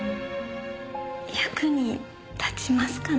役に立ちますかね？